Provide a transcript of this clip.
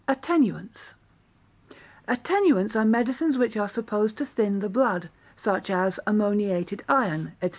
Attenuants Attenuants are medicines which are supposed to thin the blood, such as ammoniated iron, &c.